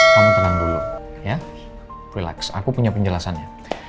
kamu tenang dulu ya relax aku punya penjelasannya